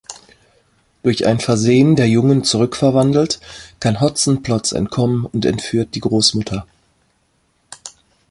Durch ein Versehen der Jungen zurückverwandelt, kann Hotzenplotz entkommen und entführt die Großmutter.